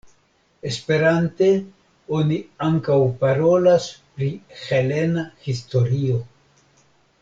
Esperante oni ankaŭ parolas pri helena historio.